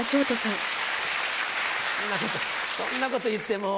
そんなこと言ってもう。